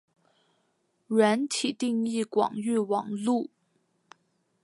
软体定义广域网路。